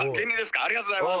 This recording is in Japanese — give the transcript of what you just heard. ありがとうございます」